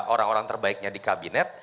orang orang terbaiknya di kabinet